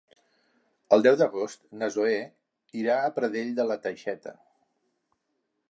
El deu d'agost na Zoè irà a Pradell de la Teixeta.